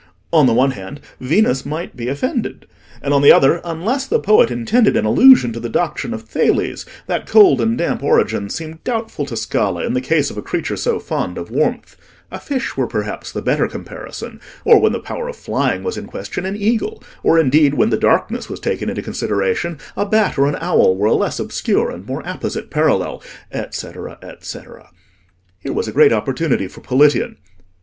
On the one hand, Venus might be offended; and on the other, unless the poet intended an allusion to the doctrine of Thales, that cold and damp origin seemed doubtful to Scala in the case of a creature so fond of warmth; a fish were perhaps the better comparison, or, when the power of flying was in question, an eagle, or indeed, when the darkness was taken into consideration, a bat or an owl were a less obscure and more apposite parallel, etcetera, etcetera. Here was a great opportunity for Politian.